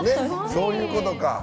そういうことか。